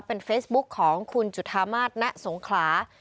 เป็นเฟซบุ๊คของคุณจุธามาศณสงขลา